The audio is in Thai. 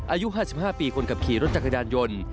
อายุ๕๕ปีคนขับขี่รถจักรยานยนต์